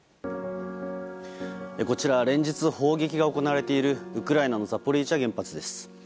こちら連日砲撃が行われているウクライナのザポリージャ原発です。